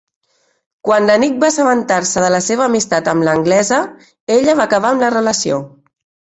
Quan l'Annick va assabentar-se de la seva amistat amb l'anglesa, ella va acabar amb la relació.